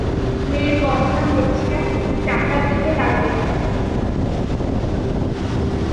মেয়ের গহনা বেচিয়া টাকা দিতে লাগিল।